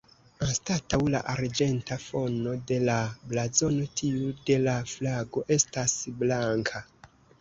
Anstataŭ la arĝenta fono de la blazono tiu de la flago estas blanka.